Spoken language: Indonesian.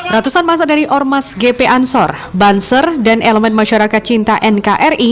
ratusan masa dari ormas gp ansor banser dan elemen masyarakat cinta nkri